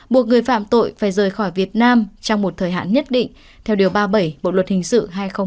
buộc người phạm tội phải rời khỏi việt nam trong một thời hạn nhất định theo điều ba mươi bảy bộ luật hình sự hai nghìn một mươi năm